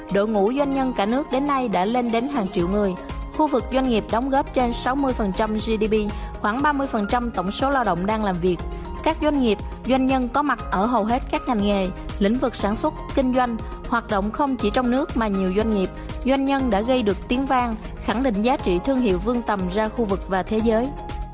đội ngũ doanh nhân cả nước đến nay đã lên đến hàng triệu người khu vực doanh nghiệp đóng góp trên sáu mươi gdp khoảng ba mươi tổng số lao động đang làm việc các doanh nghiệp doanh nhân có mặt ở hầu hết các ngành nghề lĩnh vực sản xuất kinh doanh hoạt động không chỉ trong nước mà nhiều doanh nghiệp doanh nhân đã gây được tiếng vang khẳng định giá trị thương hiệu vương tầm ra khu vực và thế giới